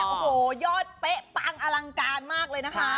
โอ้โหยอดเป๊ะปังอลังการมากเลยนะคะ